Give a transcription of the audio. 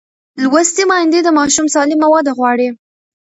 لوستې میندې د ماشوم سالمه وده غواړي.